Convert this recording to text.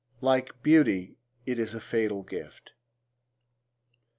Like beauty, it is a fatal gift.